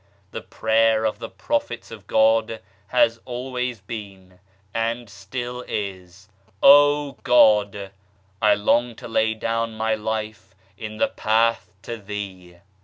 The prayer of the Prophets of God has always been, and still is : Oh, God I I long to lay down my life in the Path to Thee